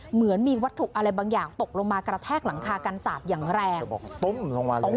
เหมือนมีวัตถุอะไรบางอย่างตกลงมากระแทกหลังคากันสาปอย่างแรง